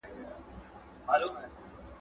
زه انځور نه ګورم!!